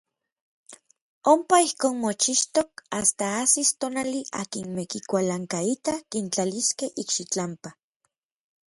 Ompa ijkon mochixtok asta ajsis tonali akinmej kikualankaitaj kintlaliskej ikxitlampa.